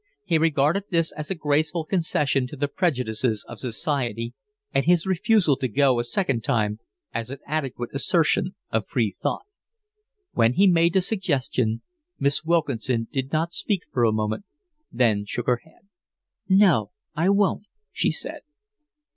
He regarded this as a graceful concession to the prejudices of society and his refusal to go a second time as an adequate assertion of free thought. When he made the suggestion, Miss Wilkinson did not speak for a moment, then shook her head. "No, I won't," she said.